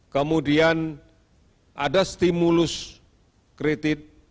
kemudian ada stimulus kredit